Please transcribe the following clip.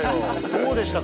どうでしたか？